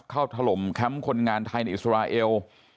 ถล่มแคมป์คนงานไทยในอิสราเอล